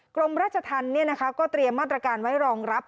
กรมราชธรรมก็เตรียมมาตรการไว้รองรับ